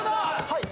はい。